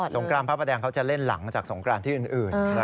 งครามพระประแดงเขาจะเล่นหลังจากสงครานที่อื่น